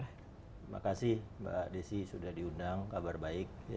terima kasih mbak desi sudah diundang kabar baik